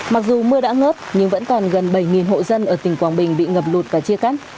mặc dù mưa đã ngớt nhưng vẫn còn gần bảy hộ dân ở tỉnh quảng bình bị ngập lụt và chia cắt